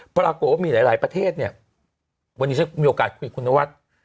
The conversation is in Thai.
ปรากฏว่ามีหลายประเทศเนี่ยวันนี้ฉันมีโอกาสคุยคุณนวัด